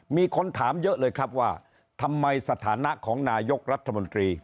มีคนถามเยอะเลยครับว่าทำไมสถานะของนายกรัฐมนตรี